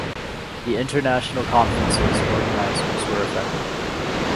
The international conference's organizers were offended.